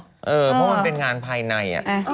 เพราะมันเป็นงานภายใน